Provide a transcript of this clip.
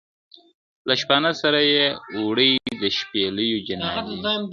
له شپانه سره یې وړي د شپېلیو جنازې دي `